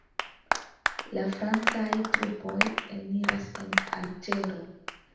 La francaj trupoj eniras en Alĝero.